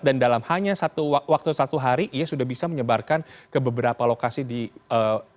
dan dalam hanya waktu satu hari ia sudah bisa menyebarkan ke beberapa lokasi di indonesia